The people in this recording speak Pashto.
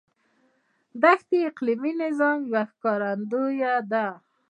دښتې د اقلیمي نظام یو ښکارندوی دی.